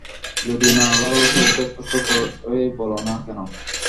যদি না ভালোবাস, ওকে স্পষ্ট করেই বল-না কেন।